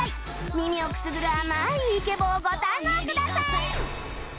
耳をくすぐる甘いイケボをご堪能ください